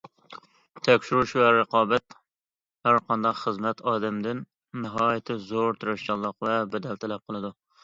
تەكشۈرۈش ۋە رىقابەت ھەرقانداق خىزمەت ئادەمدىن ناھايىتى زور تىرىشچانلىق ۋە بەدەل تەلەپ قىلىدۇ.